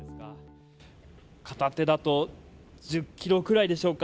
片手だと１０ｋｇくらいでしょうか。